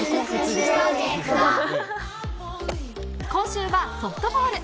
今週はソフトボール。